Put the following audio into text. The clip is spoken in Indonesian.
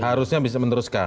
harusnya bisa meneruskan